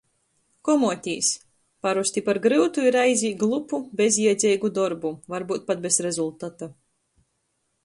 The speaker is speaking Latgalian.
Komuotīs - parosti par gryutu i reizē glupu, bezjiedzeigu dorbu, varbyut pat bez rezultata.